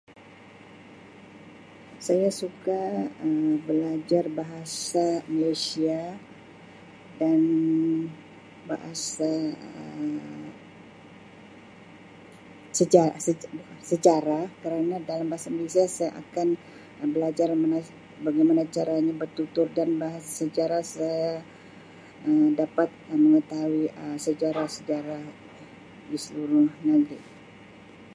Saya suka Um belajar Bahasa Malaysia dan baasa Um seja-seja-bukan sejarah kerana dalam Bahasa Malaysia saya akan Um belajar menga-bagaimana caranya bertutur dan bahas- sejarah Um dapat mengetahui sejarah-sejarah di seluruh negeri.